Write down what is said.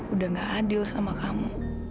udah gak adil sama kamu